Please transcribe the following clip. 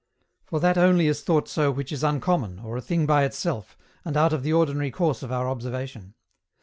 For that only is thought so which is uncommon, or a thing by itself, and out of the ordinary course of our observation.